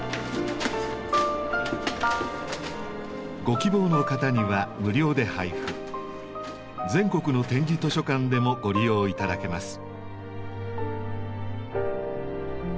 ご希望の方には無料で配布全国の点字図書館でもご利用頂けます。